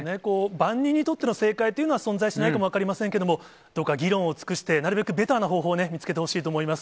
万人にとっての正解というのは存在しないかもわかりませんけれども、どうか議論を尽くして、なるべくベターな方法を見つけてほしいなと思います。